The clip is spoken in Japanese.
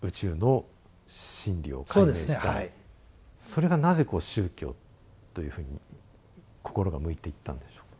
それがなぜこう宗教というふうに心が向いていったんでしょう？